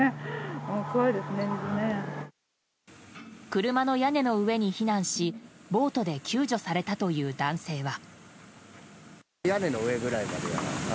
車の屋根の上に避難しボートで救助されたという男性は。